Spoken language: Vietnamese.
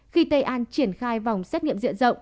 khi tây an triển khai vòng xét nghiệm diện rộng